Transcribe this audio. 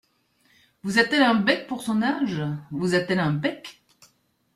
Vous a-t-elle un bec pour son âge ! vous a-t-elle un bec !